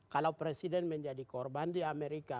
kalau presiden menjadi korban di amerika